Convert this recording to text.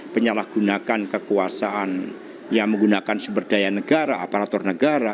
penyalahgunakan kekuasaan yang menggunakan sumber daya negara aparatur negara